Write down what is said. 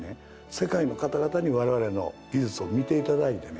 世界の方々に我々の技術を見て頂いてね